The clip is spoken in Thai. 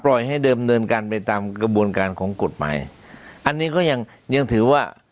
ให้เดิมเนินการไปตามกระบวนการของกฎหมายอันนี้ก็ยังยังถือว่า